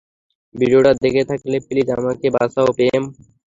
ভিডিওটা দেখে থাকলে, প্লিজ আমাকে বাঁচাও, প্রেম।